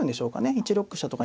１六飛車とか。